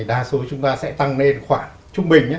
đa số chúng ta sẽ tăng lên khoảng trung bình